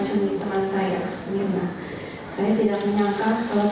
hanya ini saya ingin berbagi di pasal tema kejap nang vectors